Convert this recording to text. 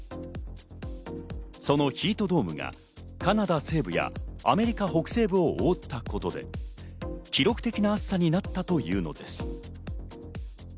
そのヒートドームがカナダ西部やアメリカ北西部を覆ったことで記録的な暑さになったというのです。